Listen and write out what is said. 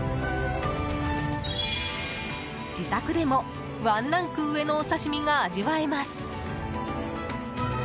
自宅でもワンランク上のお刺し身が味わえます。